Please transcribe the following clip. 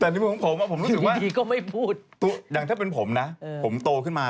แต่ในมุมของผมอะผมรู้สึกว่าอย่างถ้าเป็นผมนะผมโตขึ้นมา